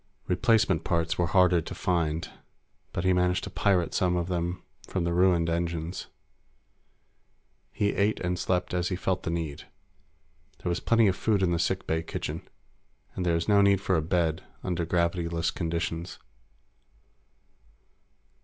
Replacement parts were harder to find, but he managed to pirate some of them from the ruined engines. He ate and slept as he felt the need. There was plenty of food in the sick bay kitchen, and there is no need for a bed under gravity less conditions.